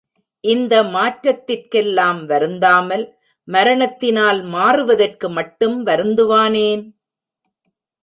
இந்த மாற்றத்திற்கெல்லாம் வருந்தாமல், மரணத்தினால் மாறுவதற்கு மட்டும் வருந்துவானேன்?